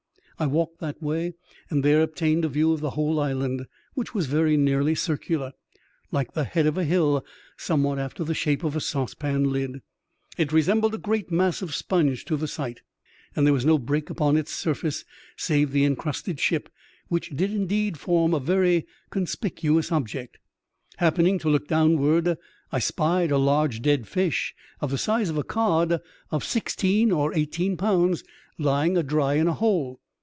I walked that way and there obtained a view of the whole island, which was very nearly circular, like the head of a hill, some what after the shape of a saucepan lid. It resembled a great mass of sponge to the sight, and there was no break upon its surface save the encrusted ship, which did, indeed, form a very conspicuous object. Happening to look downwards, I spied a large dead fish, of the size of a cod of sixteen or eighteen pounds, lying a dry in a hole.